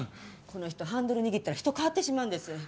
この人ハンドル握ったら人変わってしまうんです。